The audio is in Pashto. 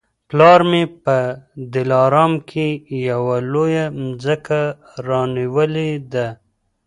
پلار مي په دلارام کي یوه لویه مځکه رانیولې ده